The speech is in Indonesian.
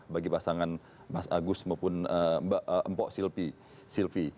bagi pasangan mas agus maupun mbak empok sylvi